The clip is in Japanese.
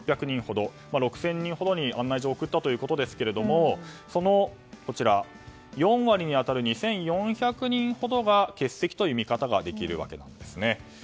６０００人ほどに案内状を送ったということですがその４割に当たる２４００人ほどが欠席という見方ができるわけです。